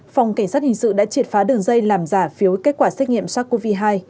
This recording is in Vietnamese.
phòng cảnh sát hình sự đã triệt phá đường dây làm giả phiếu kết quả xét nghiệm sars cov hai